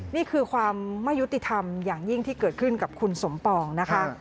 นี่คือความไม่ยุติธรรมอย่างยิ่งที่เกิดขึ้นกับคุณสมปองนะคะ